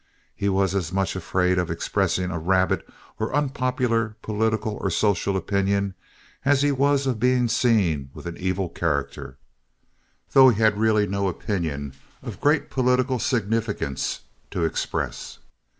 He was as much afraid of expressing a rabid or unpopular political or social opinion as he was of being seen with an evil character, though he had really no opinion of great political significance to express.